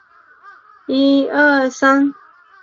印度锦鸡儿为豆科锦鸡儿属下的一个种。